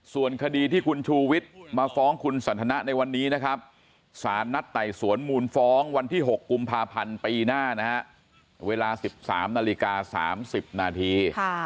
ส่วนคดีที่คุณชูวิทย์มาฟ้องคุณสันทนะในวันนี้นะครับสารนัดไต่สวนมูลฟ้องวันที่๖กุมภาพันธ์ปีหน้านะฮะเวลา๑๓นาฬิกา๓๐นาที